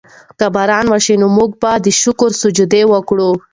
که باران وشي نو موږ به د شکر سجدې وکړو.